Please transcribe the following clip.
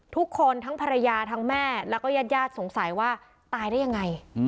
ทั้งภรรยาทั้งแม่แล้วก็ญาติญาติสงสัยว่าตายได้ยังไง